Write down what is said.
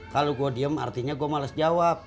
kalo gua diem artinya gua males jawab